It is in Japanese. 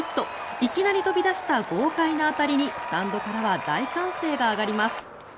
いきなり飛び出した豪快な当たりにスタンドからは大歓声が上がります。